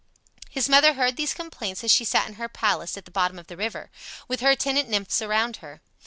His mother heard these complaints as she sat in her palace at the bottom of the river, with her attendant nymphs around her.